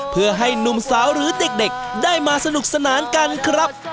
เพื่อให้หนุ่มสาวหรือเด็กได้มาสนุกสนานกันครับ